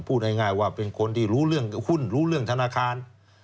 พูดง่ายว่าเป็นคนที่รู้เรื่องหุ้นรู้เรื่องธนาคาร